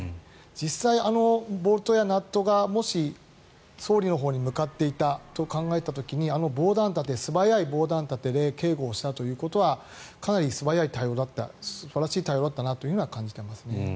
実際、あのボルトやナットがもし、総理のほうに向かっていたと考えた時にあの防弾盾、素早い防弾盾で警護をしたということはかなり素早い対応だった素晴らしい対応だったと感じます。